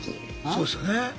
そうですよね。